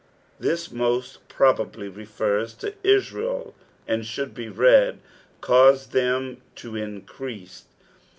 *' This most urobably refers to Israel and should be read, " caused them to increase."